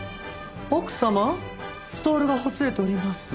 奥様ストールがほつれております。